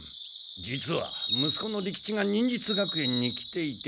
実は息子の利吉が忍術学園に来ていて。